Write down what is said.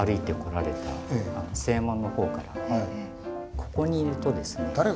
ここにいるとですね。